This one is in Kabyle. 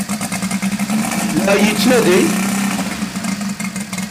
La iyi-yettnadi?